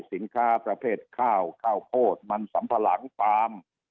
สินค้าประเภทข้าวข้าวโพดมันสัมปะหลังปาล์ม